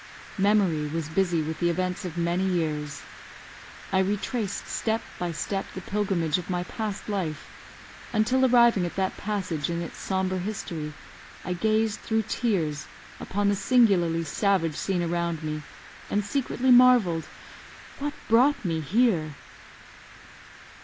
Memory was busy with the events of many years. I retraced step by step the pilgrimage of my past life, until arriving at that passage in its sombre history, I gazed through tears upon the singularly savage scene around me, and secretly marvelled, "What brought me here?"